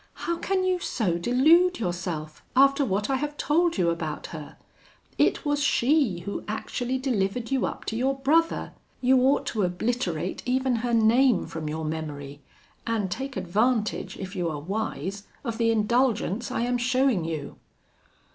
'How can you so delude yourself, after what I have told you about her? It was she who actually delivered you up to your brother. You ought to obliterate even her name from your memory, and take advantage, if you are wise, of the indulgence I am showing you.'